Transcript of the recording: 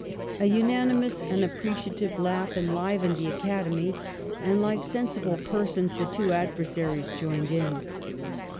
"A unanimous and appreciative laugh en livened the Academy, and, like sensible persons, his two adversaries joined in."